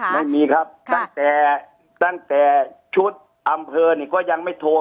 ไม่มีครับตั้งแต่ตั้งแต่ชุดอำเภอนี่ก็ยังไม่โทร